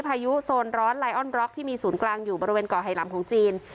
พายุโซนร้อนไลออนร็อกที่มีศูนย์กลางอยู่บริเวณก่อไฮลำของจีน